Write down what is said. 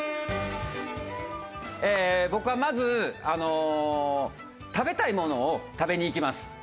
僕はまず食べたいものを食べに行きます。